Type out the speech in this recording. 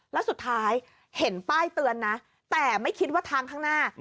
แล้วสุดท้ายเห็นป้ายเตือนนะแต่ไม่คิดว่าทางข้างหน้า